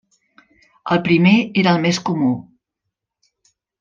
El primer era el més comú.